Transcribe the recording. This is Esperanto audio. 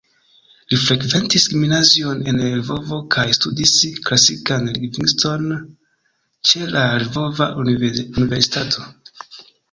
Li frekventis gimnazion en Lvovo kaj studis klasikan lingvistikon ĉe la Lvova Universitato.